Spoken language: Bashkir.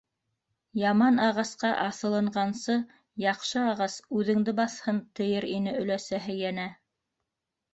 Яман ағасҡа аҫылынғансы, яҡшы ағас үҙеңде баҫһын, тиер ине өләсәһе йәнә.